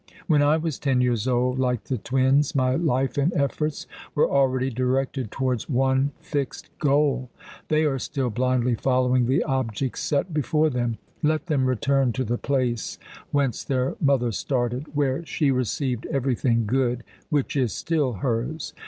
When I was ten years old, like the twins, my life and efforts were already directed towards one fixed goal. They are still blindly following the objects set before them. Let them return to the place whence their mother started, where she received everything good which is still hers.